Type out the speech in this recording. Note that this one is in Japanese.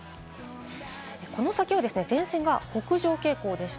この先は前線が北上傾向です。